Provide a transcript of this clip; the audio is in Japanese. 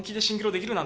できるよな？